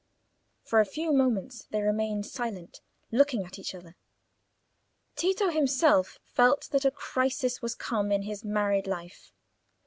For a few moments they remained silent, looking at each other. Tito himself felt that a crisis was come in his married life.